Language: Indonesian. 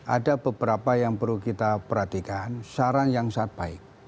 ada beberapa yang perlu kita perhatikan saran yang sangat baik